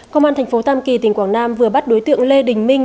công an tp tam kỳ tỉnh quảng nam vừa bắt đối tượng lê đình minh